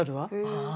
ああ。